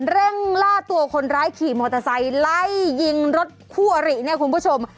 เร่งล่าตัวคนร้ายขี่มอเตอร์ไซค์ไล่ยิงรถคู่อริเนี่ยคุณผู้ชม